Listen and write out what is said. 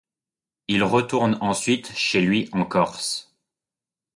Il retourne ensuite chez lui en Corse.